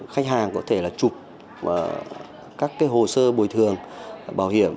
khách hàng có thể là chụp các hồ sơ bồi thường bảo hiểm